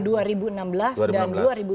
dua ribu enam belas dan dua ribu sembilan belas